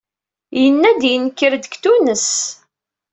Yenna-d yenker-d deg Tunes.